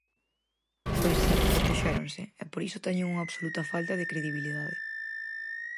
Pois si, opuxéronse, e por iso teñen unha absoluta falta de credibilidade.